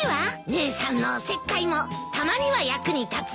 姉さんのおせっかいもたまには役に立つんだね。